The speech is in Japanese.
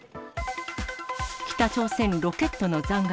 北朝鮮ロケットの残骸。